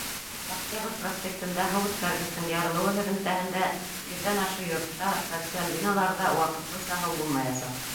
Октябрь проспектында һыу үткәргестең ярылыуы һөҙөмтәһендә йөҙҙән ашыу йортта, социаль биналарҙа ваҡытлыса һыу булмаясаҡ.